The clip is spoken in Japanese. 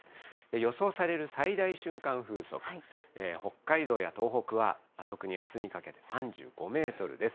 予想される最大瞬間風速、北海道や東北は、特にあすにかけて３５メートルです。